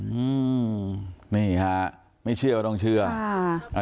อืมนี่ค่ะไม่เชื่อว่าต้องเชื่ออ่า